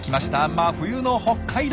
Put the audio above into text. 真冬の北海道。